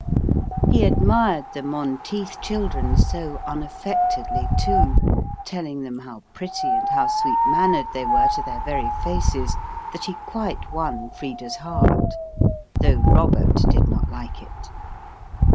He admired the Monteith children so unaffectedly, too, telling them how pretty and how sweet mannered they were to their very faces, that he quite won Frida's heart; though Robert did not like it.